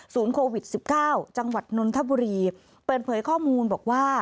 โควิด๑๙จังหวัดนนทบุรีเปิดเผยข้อมูลบอกว่า